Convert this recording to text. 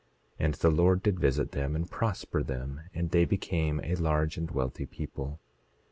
27:7 And the Lord did visit them and prosper them, and they became a large and wealthy people.